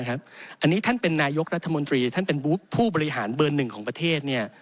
อันนี้ท่านเป็นนายกรัฐมนตรีท่านเป็นผู้บริหารเบอร์หนึ่งของประเทศ